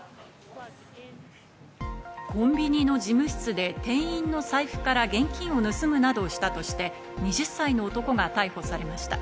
コンビニの事務室で店員の財布から現金を盗むなどしたとして２０歳の男が逮捕されました。